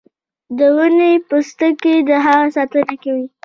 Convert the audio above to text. د ونې پوستکی د هغې ساتنه کوي